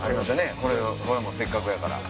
これもせっかくやから。